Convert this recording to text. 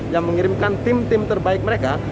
yang mengirimkan tim tim terbaik mereka